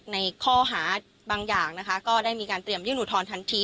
ในข้อหาบางอย่างนะคะก็ได้มีการเตรียมยื่นอุทธรณทันที